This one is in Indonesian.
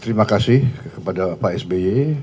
terima kasih kepada pak sby